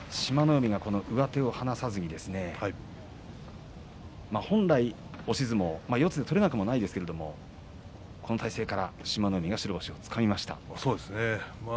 海が上手を離さずに本来押し相撲、四つを取れなくもないですけれどもこの体勢から志摩ノ海が白星をつかみました。